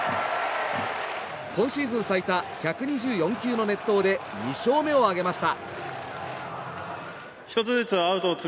今シーズン最多１２４球の熱投で２勝目を挙げました。